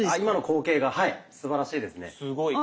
今の後傾がはいすばらしいですね。